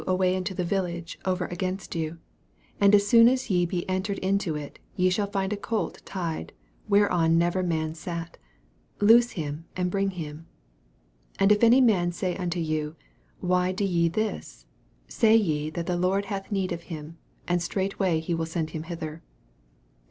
1 way into the village over against you: and as soon as ye be entered into it, ye shall find a colt tied where 011 never man sat ; loose him and bring Mm, 3 And if any man say unto von. Why do ye this? say ye that the Lord hath need of him ; and straightway he will send him hither.